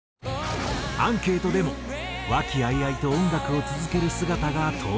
アンケートでも「和気あいあいと音楽を続ける姿が尊い」。